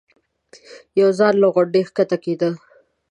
یو ځوان له غونډۍ ښکته کېده.